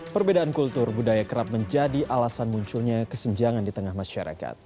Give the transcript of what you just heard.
perbedaan kultur budaya kerap menjadi alasan munculnya kesenjangan di tengah masyarakat